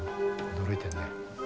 驚いてるね。